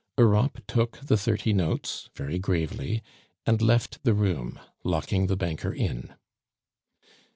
Europe took the thirty notes very gravely and left the room, locking the banker in.